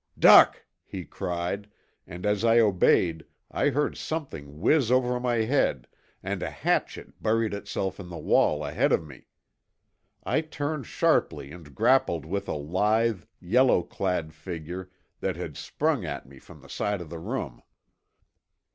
"Duck!" he cried, and as I obeyed I heard something whizz over my head and a hatchet buried itself in the wall ahead of me. I turned sharply and grappled with a lithe, yellow clad figure that had sprung at me from the side of the room.